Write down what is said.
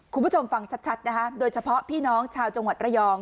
คุณผู้ชมฟังชัดนะคะโดยเฉพาะพี่น้องชาวจังหวัดระยอง